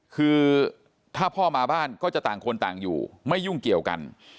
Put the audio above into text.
คือถ้าพ่อมาบ้านก็จะต่างคนต่างอยู่ไม่ยุ่งเกี่ยวกัน